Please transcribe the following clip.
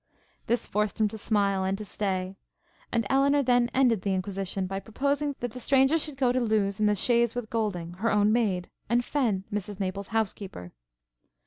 This forced him to smile and to stay; and Elinor then ended the inquisition, by proposing that the stranger should go to Lewes in the chaise with Golding, her own maid, and Fenn, Mrs Maple's housekeeper.